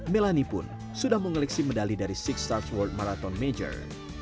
melanie pun sudah mengoleksi medali dari six stars world marathon major